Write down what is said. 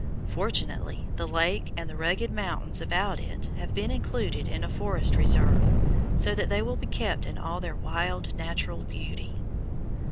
Fortunately the lake and the rugged mountains about it have been included in a forest reserve, so that they will be kept in all their wild natural beauty.